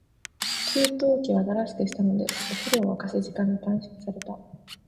給湯器を新しくしたので、お風呂を沸かす時間が短縮された。